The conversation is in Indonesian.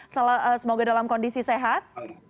semoga dalam kondisi sehat